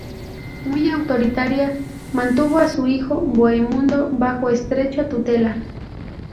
Muy autoritaria, mantuvo a su hijo Bohemundo bajo estrecha tutela.